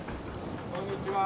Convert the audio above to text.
こんにちは。